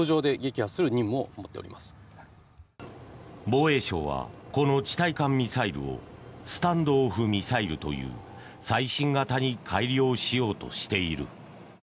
防衛省はこの地対艦ミサイルをスタンド・オフ・ミサイルという最新型に改良しようとしている。